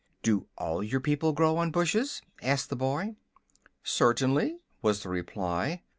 "Do all your people grow on bushes?" asked the boy. "Certainly," was the reply.